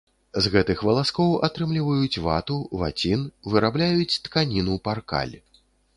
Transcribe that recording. З гэтых валаскоў атрымліваюць вату, вацін, вырабляюць тканіну паркаль.